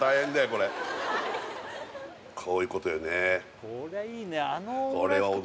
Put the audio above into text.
これこういうことよね